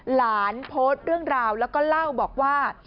หลานโพสต์เรื่องราวแล้วก็เล่าบอกว่า